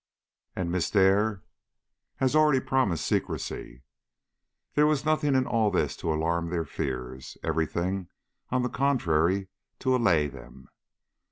"And Miss Dare?" "Has already promised secrecy." There was nothing in all this to alarm their fears; every thing, on the contrary, to allay them.